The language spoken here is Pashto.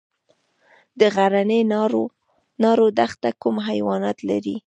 د غزني ناور دښته کوم حیوانات لري؟